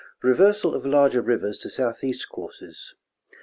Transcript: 31. Reversal of larger rivers to southeast courses.